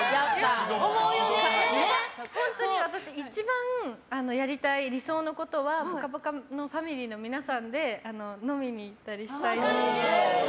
本当に私一番やりたい理想のことは「ぽかぽか」のファミリーの皆さんで飲みに行ったりしたいです。